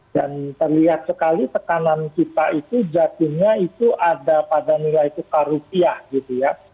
dan terlihat sekali tekanan kita itu jatuhnya itu ada pada nilai tukar rupiah gitu ya